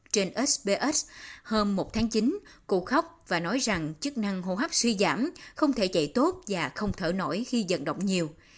trên sbs hôm một tháng chín cô khóc và nói rằng chức năng hồ hấp suy giảm không thể chạy tốt và không thở nổi khi giận động nhiều